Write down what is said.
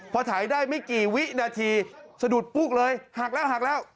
พอถ่ายได้ไม่กี่วินาทีสะดุดปุ๊กเลยหักแล้วหักแล้ว